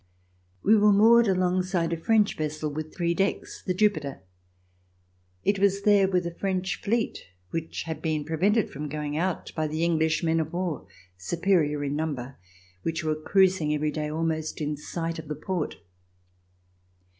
We were moored alongside a French vessel with three decks, the "Jupiter." It was there with a French fleet which had been prevented from going out by the English men of war, superior in number, which were cruising every day almost in sight of the port.